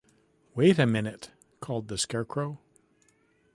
Wait a minute! called the Scarecrow.